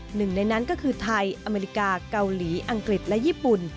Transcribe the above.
หนึ่งในนั้นก็คือไทยอเมริกาเกาหลีอังกฤษและญี่ปุ่น